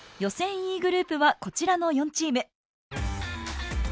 Ｅグループはこちらの４チーム。